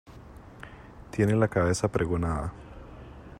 tiene la cabeza pregonada.